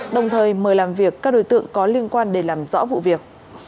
đồng thời mời làm việc các đối tượng có liên quan để làm rõ vụ việc